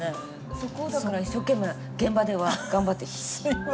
そこをだから一生懸命現場では頑張って。